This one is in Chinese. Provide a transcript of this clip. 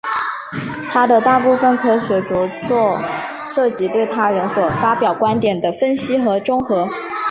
他的大部分科学着作涉及对他人所发表观点的分析与综合中。